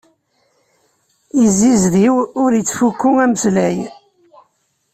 Izzizdiw, ur ittfukku ameslay.